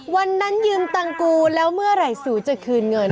วันนั้นยืมตังกูแล้วเมื่อไหร่สูจะคืนเงิน